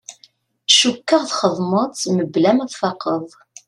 Cukkeɣ txedmeḍ-t mebla ma tfaqeḍ.